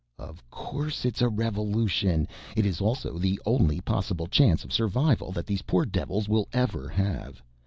"Of course it's a revolution. It is also the only possible chance of survival that these poor devils will ever have.